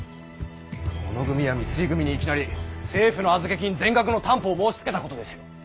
小野組や三井組にいきなり政府の預け金全額の担保を申しつけたことですよ。